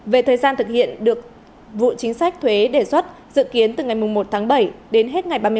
về thời gian thực hiện được vụ chính sách thuế đề xuất dự kiến từ ngày một bảy đến hết ngày ba mươi một một mươi hai hai nghìn hai mươi